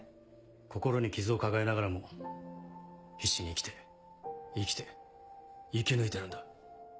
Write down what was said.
心に傷を抱えながらも必死に生きて生きて生き抜いてるんだ。